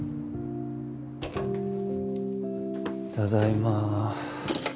ただいま。